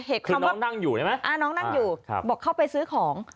เหตุความว่านะคะน้องนั่งอยู่บอกเข้าไปซื้อของ